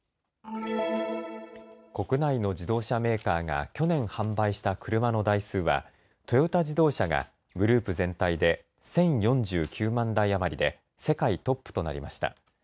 国内の自動車メーカーが去年、販売した車の台数はトヨタ自動車がグループ全体で１０４９万台余りで世界トップとなりました。